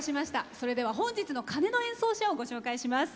それでは本日の鐘の演奏者ご紹介します。